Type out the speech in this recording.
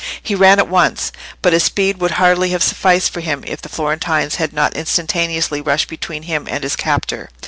He ran at once; but his speed would hardly have sufficed for him if the Florentines had not instantaneously rushed between him and his captor.